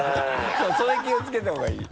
そうそれ気を付けた方がいい。